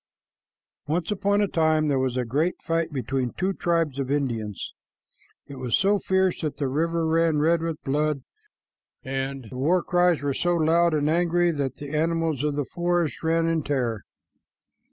Once upon a time there was a great fight between two tribes of Indians. It was so fierce that the river ran red with blood, and the war cries were so loud and angry that the animals of the forest ran away in terror.